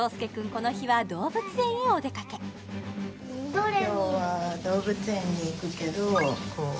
この日は動物園へお出かけこれ？